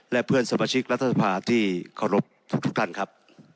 และเพื่อนสมชิกรัฐสภาธิบดที่เค้ารบทุกทุกท่านครับ